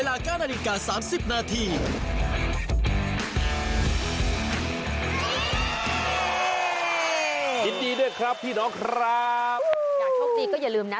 อยากโชคดีก็อย่าลืมนะ